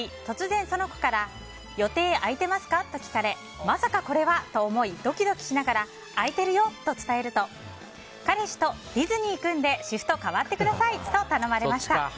突然、その子から予定空いてますか？と聞かれまさか、これはと思いドキドキしながら空いてるよと伝えると彼氏とディズニー行くんでシフト代わってくださいと頼まれました。